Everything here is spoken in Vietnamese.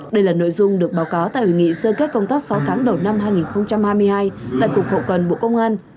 đây là nội dung được báo cáo tại hội nghị sơ kết công tác sáu tháng đầu năm hai nghìn hai mươi hai tại cục hậu cần bộ công an